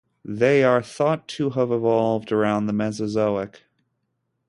They are thought to have evolved around the Mesozoic.